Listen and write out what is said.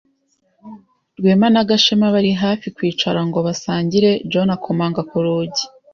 Rwema na Gashema bari hafi kwicara ngo basangire John akomanga ku rugi.